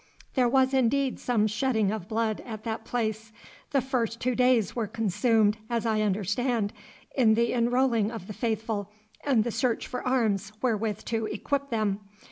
'There was indeed some shedding of blood at that place. The first two days were consumed, as I understand, in the enrolling of the faithful and the search for arms wherewith to equip them.